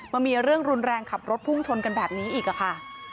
มันมีเรื่องรุนแรงขับรถพุ่งชนกันแบบนี้อีกค่ะ